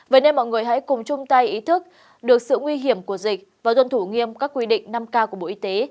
vậy nên mọi người hãy cùng chung tay ý thức được sự nguy hiểm của dịch và tuân thủ nghiêm các quy định năm k của bộ y tế